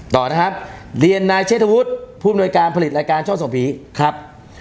ต่อนะครับเรียนนายเชษฐวุฒิผู้อำนวยการผลิตรายการช่องส่งผีครับ